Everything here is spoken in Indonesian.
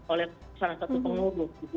oleh salah satu pengurus gitu